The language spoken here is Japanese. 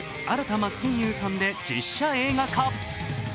真剣佑さんで実写映画化。